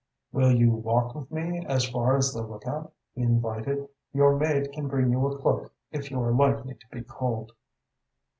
"Will you walk with me as far as the lookout?" he invited. "Your maid can bring you a cloak if you are likely to be cold."